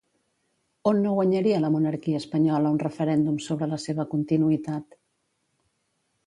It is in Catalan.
On no guanyaria la monarquia espanyola un referèndum sobre la seva continuïtat?